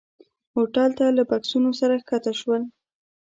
هوټل ته له بکسونو سره ښکته شول.